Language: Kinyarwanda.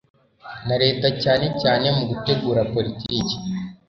na Leta cyane cyane mu gutegura politiki